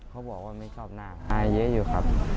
เขาบอกว่าไม่ชอบหน้าอายเยอะอยู่ครับ